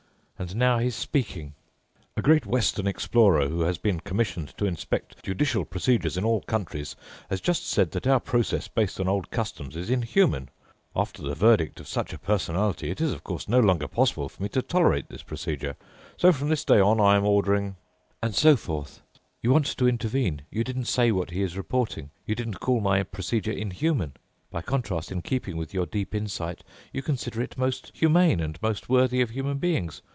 And now he's speaking: 'A great Western explorer who has been commissioned to inspect judicial procedures in all countries has just said that our process based on old customs is inhuman. After the verdict of such a personality it is, of course, no longer possible for me to tolerate this procedure. So from this day on I am ordering ... and so forth.' You want to intervene—you didn't say what he is reporting—you didn't call my procedure inhuman; by contrast, in keeping with your deep insight, you consider it most humane and most worthy of human beings.